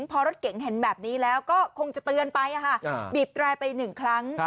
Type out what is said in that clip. พอรถเก๋งเห็นแบบนี้แล้วก็คงจะเตือนไปบีบแตรไปหนึ่งครั้ง